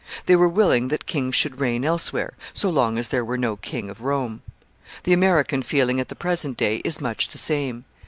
They were willing that kings should reign elsewhere, so long as there were no king of Rome. The American feeling at the present day is much the same.